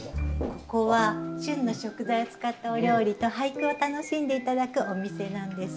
ここは旬の食材を使ったお料理と俳句を楽しんで頂くお店なんです。